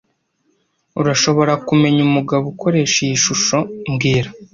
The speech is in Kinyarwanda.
Urashobora kumenya umugabo ukoresha iyi shusho mbwira